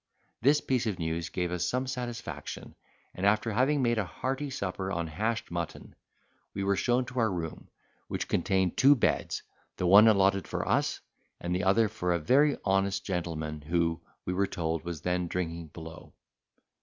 This piece of news gave us some satisfaction; and, after having made a hearty supper on hashed mutton, we were shown to our room, which contained two beds, the one allotted for us, and the other for a very honest gentleman, who, we were told, was then drinking below.